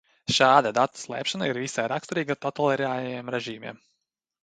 Šādu datu slēpšana ir visai raksturīga totalitārajiem režīmiem.